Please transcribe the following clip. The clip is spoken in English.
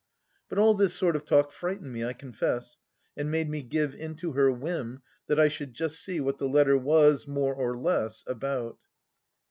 But all this sort of talk frightened me, I confess, and made me give into her whim that I should just see what the letter was, more or less, about.